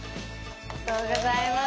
おめでとうございます。